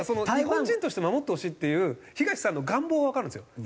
日本人として守ってほしいっていう東さんの願望はわかるんですよ。